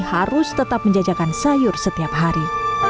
harus tetap menjajakan sayur setiap hari